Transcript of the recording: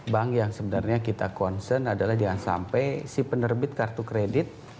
bank yang sebenarnya kita concern adalah jangan sampai si penerbit kartu kredit